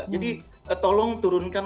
jadi tolong turunkan